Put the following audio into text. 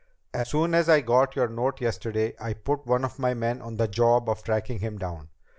"As soon as I got your note yesterday, I put one of my men on the job of tracking him down.